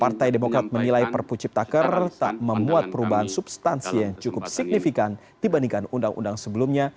partai demokrat menilai perpu ciptaker tak memuat perubahan substansi yang cukup signifikan dibandingkan undang undang sebelumnya